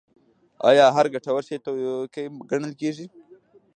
آیا هر ګټور شی توکی ګڼل کیږي؟